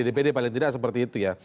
dpd paling tidak seperti itu ya